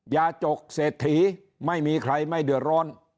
จกเศรษฐีไม่มีใครไม่เดือดร้อน